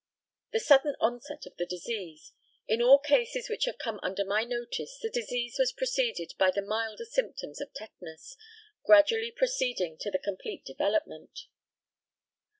The sudden onset of the disease. In all cases which have come under my notice, the disease was preceded by the milder symptoms of tetanus, gradually proceeding to the complete development.